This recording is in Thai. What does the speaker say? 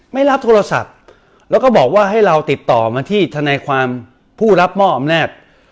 ไม่รับโทรศัพท์แล้วก็บอกว่าให้เราติดต่อมาที่ทนายความผู้รับมอบอำนาจ